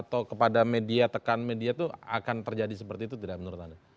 atau kepada media tekan media itu akan terjadi seperti itu tidak menurut anda